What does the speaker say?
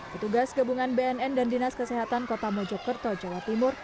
petugas gabungan bnn dan dinas kesehatan kota mojokerto jawa timur